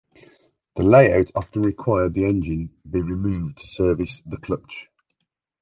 The layout often required the engine be removed to service the clutch.